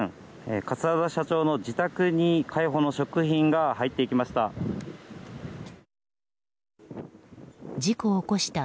桂田社長の自宅に海保の職員が入っていきました。